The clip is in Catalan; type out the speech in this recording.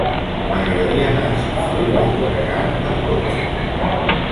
M'agradaria anar a Sant Feliu de Llobregat amb cotxe.